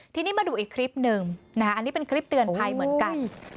ทีนี้มาดูอีกคลิปหนึ่งอันนี้เป็นคลิปเตือนภัยเหมือนกัน